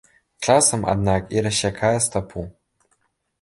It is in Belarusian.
Часам, аднак, і рассякае стапу.